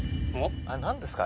何ですか？